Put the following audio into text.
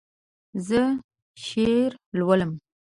زه شعر لولم